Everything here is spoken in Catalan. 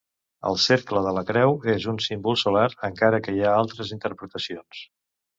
El cercle de la creu és un símbol solar, encara que hi ha altres interpretacions.